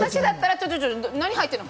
ちょっと何入ってるの？